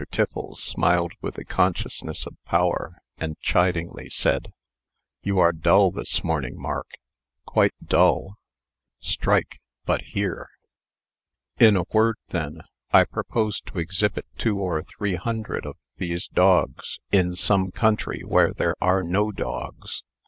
Tiffles smiled with the consciousness of power, and chidingly said: "You are dull this morning, Mark quite dull. Strike, but hear! In a word, then, I propose to exhibit two or three hundred of these dogs, in some country where there are no dogs.